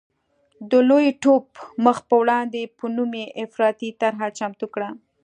د لوی ټوپ مخ په وړاندې په نوم یې افراطي طرحه چمتو کړه.